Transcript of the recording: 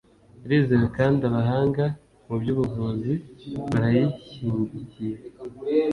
irizewe kandi abahanga mu byubuvuzi barayishyigikiye